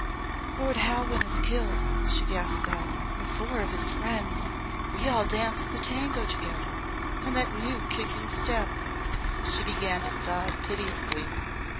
"Lord Halwyn is killed!" she gasped out. "And four of his friends! We all danced the tango together and that new kicking step!" She began to sob piteously.